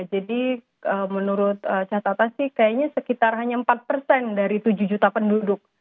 jadi menurut catatasi kayaknya sekitar hanya empat dari tujuh juta penduduk